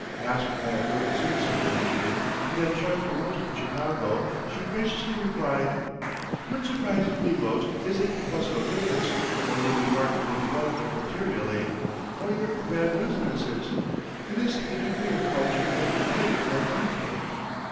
Asked by a noted citizen one evening what had charmed her most in Chicago, she graciously replied: "What surprises me most isn't the bustle of business, or your remarkable development materially, or your grand residences; it is the degree of culture and refinement I find here."